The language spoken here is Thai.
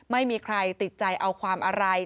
ไม่มีใครติดใจเอาความอะไร